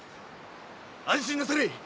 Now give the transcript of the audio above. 安心なされい。